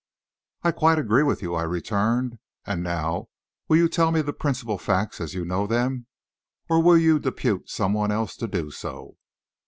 "I quite agree with you," I returned. "And now will you tell me the principal facts, as you know them, or will you depute some one else to do so?"